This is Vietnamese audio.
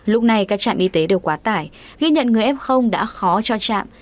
lúc này các trạm y tế đều quá tải ghi nhận người f đã khó cho trạm